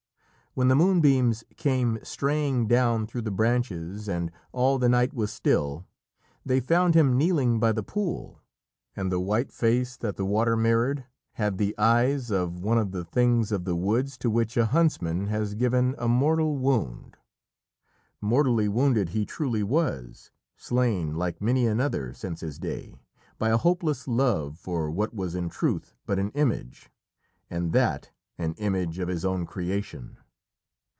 When the moonbeams came straying down through the branches and all the night was still, they found him kneeling by the pool, and the white face that the water mirrored had the eyes of one of the things of the woods to which a huntsman has given a mortal wound. Mortally wounded he truly was, slain, like many another since his day, by a hopeless love for what was in truth but an image, and that an image of his own creation.